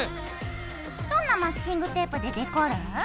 どんなマスキングテープでデコる？